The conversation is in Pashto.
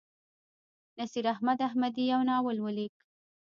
نصیراحمد احمدي یو ناول ولیک.